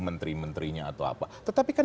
menteri menterinya atau apa tetapi kan